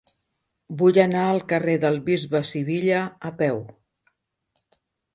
Vull anar al carrer del Bisbe Sivilla a peu.